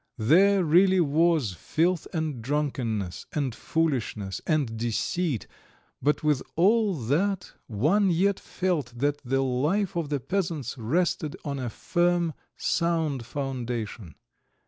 There really was filth and drunkenness and foolishness and deceit, but with all that one yet felt that the life of the peasants rested on a firm, sound foundation.